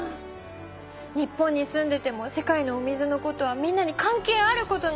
日本に住んでても世界のお水のことはみんなに関係あることなのに！